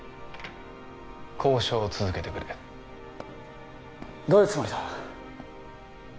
交渉を続けてくれどういうつもりだ？